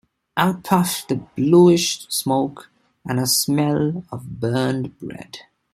Out puffed the bluish smoke and a smell of burned bread.